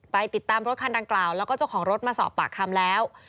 ไปติดตามรถคันดังกล่าวแล้วก็เจ้าของรถมาสอบปากคำแล้ว